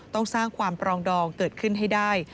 ต้องสร้างความปรองดองเกิดขึ้นให้ได้